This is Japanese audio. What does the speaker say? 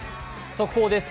速報です。